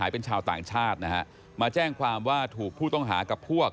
มาแจ้งความว่าถูกผู้ต้องหากับพวก